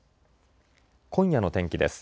今夜の天気です。